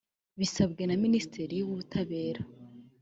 bisabwe na minisitiri w’ubutabera